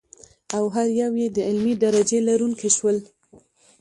او هر یو یې د علمي درجې لرونکي شول.